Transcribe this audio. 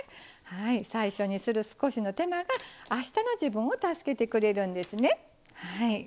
最初にする少しの手間があしたの自分を助けてくれるんですね。